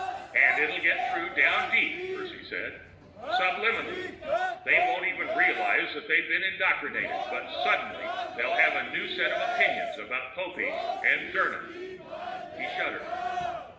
"And it'll get through deep down," Percy said. "Subliminally. They won't even realize that they're being indoctrinated, but suddenly they'll have a new set of opinions about Popeek and Dirna!" He shuddered.